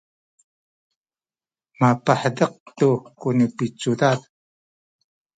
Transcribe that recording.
mapahezek tu ku nipicudad